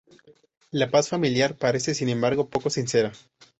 La paz familiar parece, sin embargo, poco sincera.